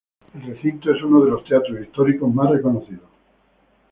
El recinto es uno de los teatros históricos más reconocidos.